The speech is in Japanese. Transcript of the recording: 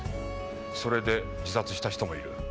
それで自殺した人もいる。